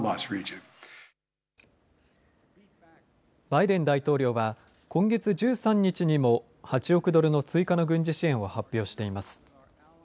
バイデン大統領は今月１３日にも８億ドルの追加の軍事支援を発表しています。